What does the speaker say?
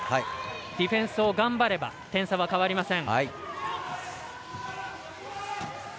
ディフェンスを頑張れば点差は変わりません。